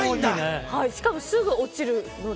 しかもすぐ落ちるので。